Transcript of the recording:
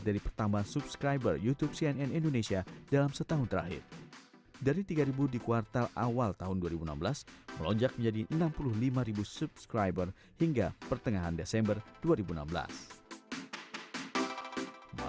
jadi tantangan anda adalah untuk membuat penonton anda berbeda